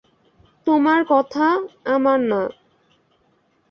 তোমার কথা, আমার না।